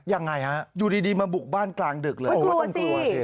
ยังไงฮะอยู่ดีมาบุกบ้านกลางดึกฮ่ยกลัวสิ